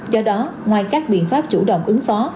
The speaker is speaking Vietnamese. do đó ngoài các biện pháp chủ động ứng phó